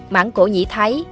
mãng cổ nhĩ thái